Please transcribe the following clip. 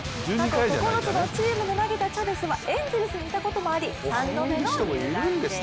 過去９つのチームで投げたチャベスはエンゼルスにいたこともあり３度目の入団です。